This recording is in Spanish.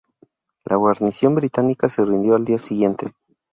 La guarnición británica se rindió al día siguiente.